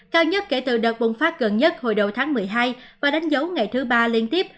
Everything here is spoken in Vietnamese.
cao nhất kể từ đợt bùng phát gần nhất hồi đầu tháng một mươi hai và đánh dấu ngày thứ ba liên tiếp